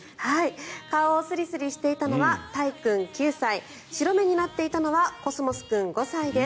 顔をスリスリしていたのはたい君、９歳白目になっていたのはコスモス君、５歳です。